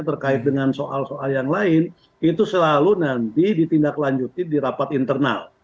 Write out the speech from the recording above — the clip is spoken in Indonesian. terkait dengan soal soal yang lain itu selalu nanti ditindaklanjuti di rapat internal